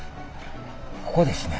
ここですね。